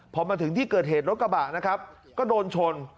พอมาถึงที่เกิดเหตุรถกระบะนะครับก็โดนชน